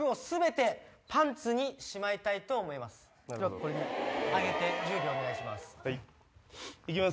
これ上げて１０秒お願いします。